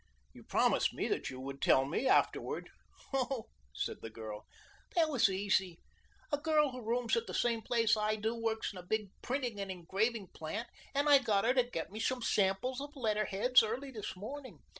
You promised me that you would tell me afterward." "Oh," said the girl, "that was easy. A girl who rooms at the same place I do works in a big printing and engraving plant and I got her to get me some samples of letterheads early this morning.